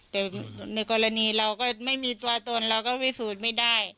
แต่ในกรณีเราก็ไม่มีตัวตนเราก็วิสูจน์ไม่ได้